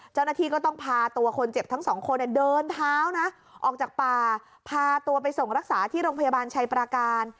เจ้าหน้าที่ก็ต้องพาตัวคนเจ็บทั้งสองคนเดินเท้านะออกจากป่าพาตัวไปส่งรักษาที่โรงพยาบาลชัยประการ